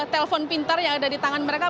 telepon pintar yang ada di tangan mereka